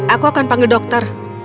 aku akan panggil dokter